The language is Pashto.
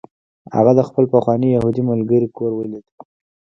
هغه د خپل پخواني یهودي ملګري کور ولید